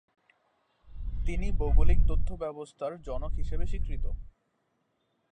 তিনি ভৌগোলিক তথ্য ব্যবস্থার জনক হিসেবে স্বীকৃত।